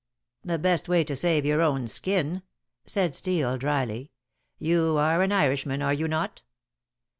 "The best way to save your own skin," said Steel dryly; "you are an Irishman, are you not?"